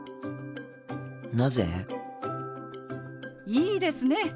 なぜ？いいですね。